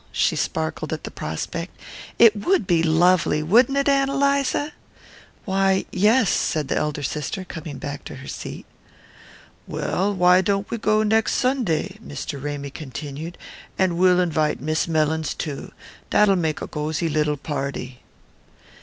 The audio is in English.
She sparkled at the prospect. "It would be lovely, wouldn't it, Ann Eliza?" "Why, yes," said the elder sister, coming back to her seat. "Well, why don't we go next Sunday?" Mr. Ramy continued. "And we'll invite Miss Mellins too that'll make a gosy little party."